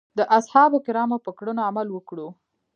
د اصحابو کرامو په کړنو عمل وکړو.